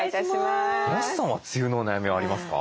安さんは梅雨のお悩みはありますか？